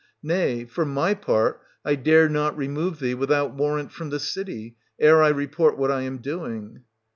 Nay, for my part, I dare not remove thee without warrant from the city, ere I report what I am doing.